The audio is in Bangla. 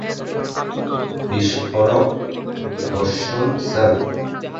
বিস্ফোরক গুলিবর্ষণ, স্যার।